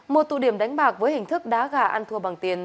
một tụ điểm đánh bạc với hình thức đá gà ăn thua bằng tiền